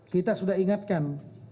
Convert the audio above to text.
kita sudah ingatkan